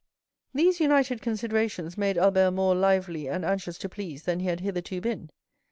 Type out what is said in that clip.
These united considerations made Albert more lively and anxious to please than he had hitherto been.